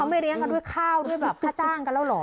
ไม่เลี้ยงกันด้วยข้าวด้วยแบบค่าจ้างกันแล้วเหรอ